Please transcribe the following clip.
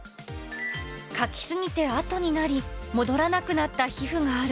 かき過ぎて痕になり、戻らなくなった皮膚がある。